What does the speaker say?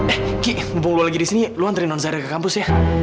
eh ki mumpung lo lagi disini lo anterin nonzaira ke kampus ya